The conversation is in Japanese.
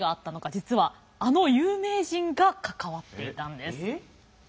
実はあの有名人が関わっていたんです。